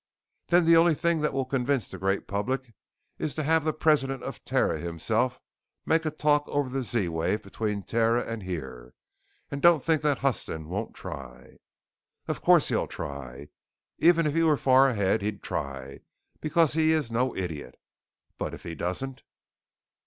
"Then the only thing that will convince the great public is to have the President of Terra himself make a talk over the Z wave between Terra and here. And don't think that Huston won't try." "Of course he'll try. Even if he were far ahead, he'd try, because he is no idiot. But if he doesn't?"